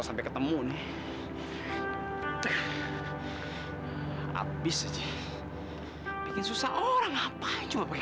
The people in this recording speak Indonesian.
sampai jumpa di video selanjutnya